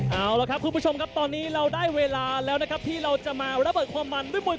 เอาละค่ะผู้ชมตอนนี้เราได้เวลาแล้วนะครับที่เราจะมาระบบกาบมาดด้วยมวย